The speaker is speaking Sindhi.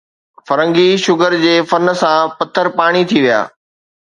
فرنگي شگر جي فن سان پٿر پاڻي ٿي ويا